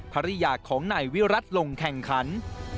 ภรรยาของนายวิรัติลงแข่งขัน